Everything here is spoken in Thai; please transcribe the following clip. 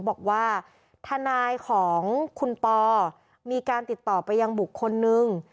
บอกว่าทนายของคุณปอมีการติดต่อไปยังบุคคลนึง